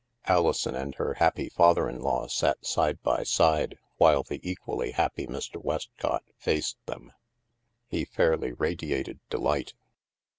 Alison and her happy father in law sat side by side, while the equally happy Mr. Westcott faced them. He fairly radiated delight.